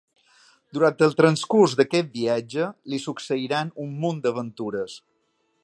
Durant el transcurs d'aquest viatge li succeiran un munt d'aventures.